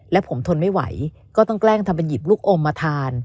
และผมทนไม่ไหวก็ต้องแกล้งทำเป็นหยิบลูกอมมาทาน